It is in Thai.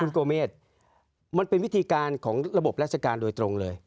คุณกลมลมลติมเป็นวิธีการของระบบราศการโดยตรงเลย